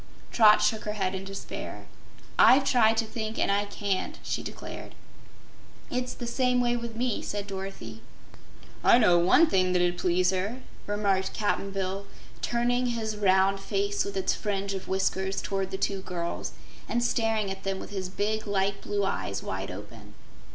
Trot shook her head in despair. "I've tried to think and I can't," she declared. "It's the same way with me," said Dorothy. "I know one thing that 'ud please her," remarked Cap'n Bill, turning his round face with its fringe of whiskers toward the two girls and staring at them with his big, light blue eyes wide open.